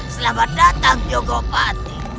selamat datang jogopati